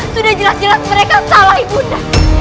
sudah jelas jelas mereka salah ibunda